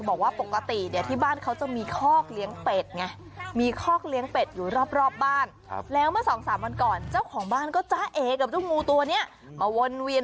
บอกว่าปกติเนี่ยบ้านเขาจะมีคอกเดียวปริกเนี่ย